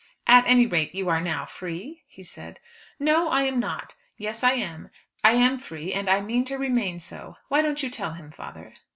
"At any rate you are now free?" he said. "No, I am not. Yes, I am. I am free, and I mean to remain so. Why don't you tell him, father?"